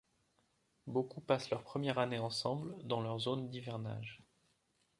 Beaucoup passent leur première année ensemble dans leur zone d'hivernage.